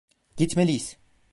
Gitmeliyiz.